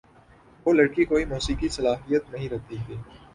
وہ لڑکی کوئی موسیقی صلاحیت نہیں رکھتی تھی۔